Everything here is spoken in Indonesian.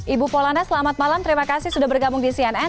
ibu polana selamat malam terima kasih sudah bergabung di cnn